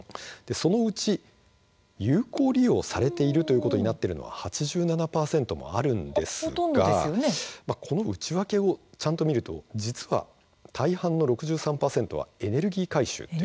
そのうち有効利用されているということになっているのは８７％もあるんですがこの内訳をちゃんと見ると、実は大半の６３％はエネルギー回収。